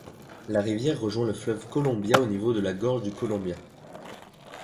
La rivière rejoint le fleuve Columbia au niveau de la gorge du Columbia.